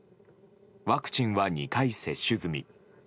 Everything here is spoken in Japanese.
ワクチンは２回接種済み。